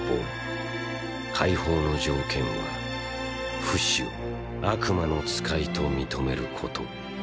解放の条件はフシを悪魔の使いと認めること。